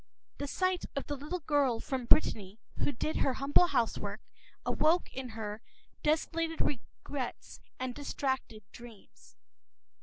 The sight of the little girl from Brittany who did her humble housework awoke in her desolated regrets and distracted dreams.